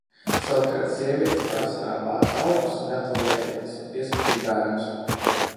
Savukārt sievietes pārsvarā vāca augus un gatavoja ēdienu, pieskatīja bērnus.